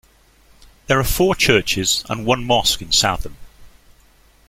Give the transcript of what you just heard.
There are four churches and one mosque in Southam.